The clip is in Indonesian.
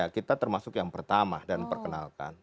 kita termasuk yang pertama dan perkenalkan